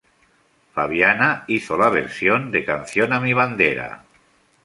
Fabiana hizo la versión de "Canción a mi bandera".